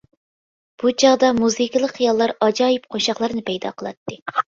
بۇ چاغدا مۇزىكىلىق خىياللار ئاجايىپ قوشاقلارنى پەيدا قىلاتتى.